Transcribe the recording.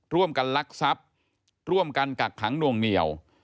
ร่วมกันลักษัพธ์ร่วมกันกักถังนวงเหนียว